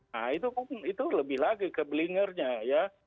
nah itu lebih lagi kebelingernya ya